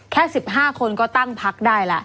แค่๑๕คนก็ตั้งพักได้แล้ว